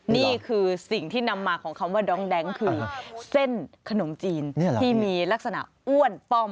นี่คือสิ่งที่นำมาของคำว่าดองแดงคือเส้นขนมจีนที่มีลักษณะอ้วนป้อม